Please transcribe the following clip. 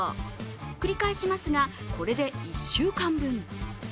繰り返しますが、これで１週間分。